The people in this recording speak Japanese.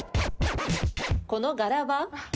この柄は？